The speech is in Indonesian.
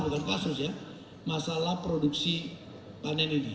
bukan kasus ya masalah produksi panen ini